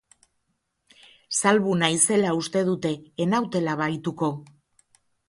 Salbu naizela uste dute, ez nautela bahituko.